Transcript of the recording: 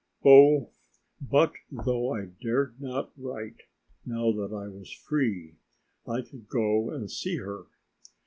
But though I dared not write, now that I was free, I could go and see her.